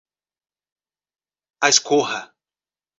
Ascurra